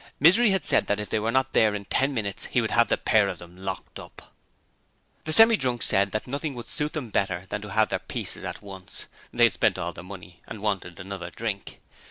Misery had said that if they were not there in ten minutes he would have the pair of them locked up. The Semi drunk said that nothing would suit them better than to have all their pieces at once they had spent all their money and wanted another drink.